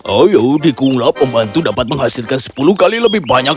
ayo di kula pembantu dapat menghasilkan sepuluh kali lebih banyak